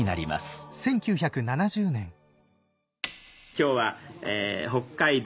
今日は北海道